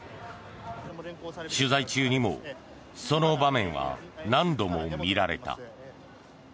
取材中にもその場面は何度も見られた。